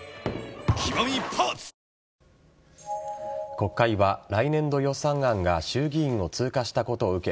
国会は来年度予算案が衆議院を通過したことを受け